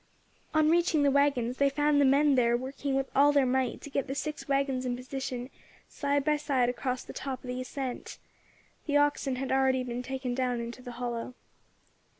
On reaching the waggons they found the men there working with all their might to get the six waggons in position, side by side across the top of the ascent. The oxen had already been taken down into the hollow.